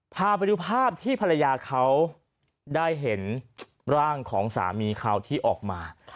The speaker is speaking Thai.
พาไปดูภาพที่ภรรยาเขาได้เห็นร่างของสามีเขาที่ออกมา